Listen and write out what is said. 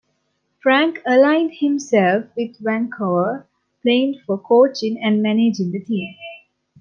Frank aligned himself with Vancouver, playing for, coaching and managing the team.